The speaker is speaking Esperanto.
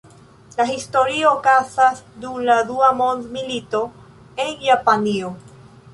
La historio okazas dum la dua mondmilito en Japanio.